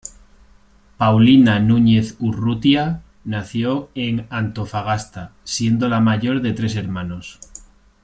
Paulina Núñez Urrutia nació en Antofagasta, siendo la mayor de tres hermanos.